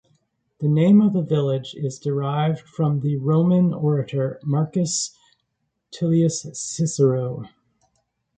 The name of the village is derived from the Roman orator Marcus Tullius Cicero.